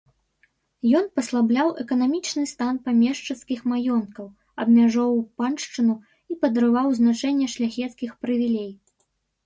Ён паслабляў эканамічны стан памешчыцкіх маёнткаў, абмяжоўваў паншчыну і падрываў значэнне шляхецкіх прывілей.